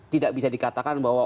tidak bisa dikatakan bahwa